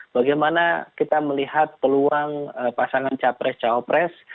bagaimana kita melihat peluang pasangan capres cawapres